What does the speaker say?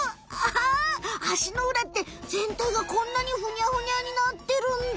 あ足のうらってぜんたいがこんなにふにゃふにゃになってるんだ。